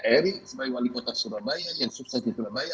eric wali kota surabaya yang sukses di surabaya